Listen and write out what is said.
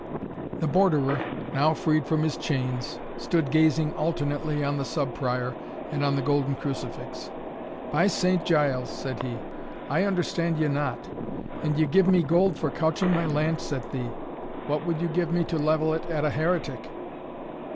The Borderer, now freed from his chains, stood gazing alternately on the Sub Prior, and on the golden crucifix. "By Saint Giles," said he, "I understand ye not! An ye give me gold for couching my lance at thee, what would you give me to level it at a heretic?"